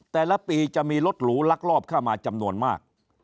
แต่ละปีจะมีรถหรูลักลอบเข้ามาจำนวนมาก